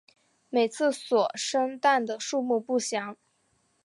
每次所生蛋的数目不详。